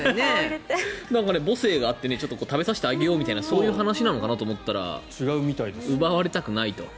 母性があって食べさせてあげようみたいなそういう話なのかなと思ったら奪われたくないと。